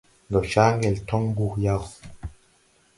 Ndɔ caa ŋgel tɔŋ mbuh yaw ?